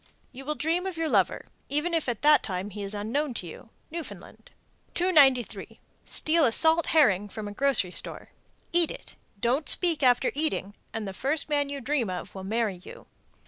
You will dream of your lover, even if at that time he is unknown to you. Newfoundland. 293. Steal a salt herring from a grocery store, eat it, don't speak after eating, and the first man you dream of will marry you.